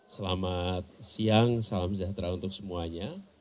selamat siang salam sejahtera untuk semuanya